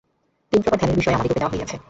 তিন প্রকার ধ্যানের বিষয় আমাদিগকে দেওয়া হইয়াছে।